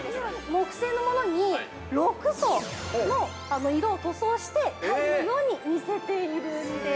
木製のものに、６層の色を塗装して、タイルのように見せているんです。